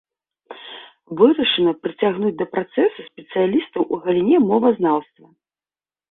Вырашана прыцягнуць да працэсу спецыялістаў у галіне мовазнаўства.